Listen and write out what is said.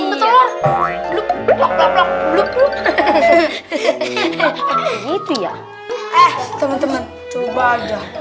ini itu ya teman teman coba aja